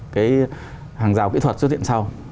cái hàng rào kỹ thuật xuất hiện sau